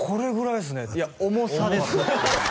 「いや重さです」